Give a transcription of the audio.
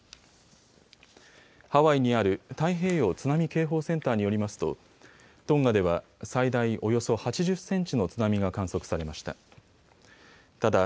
ハワイにある太平洋津波警報センターによりますとトンガでは最大およそ８０センチの津波が観測されました。